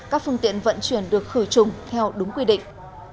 các phương tiện vận chuyển được khử trùng theo đúng quy định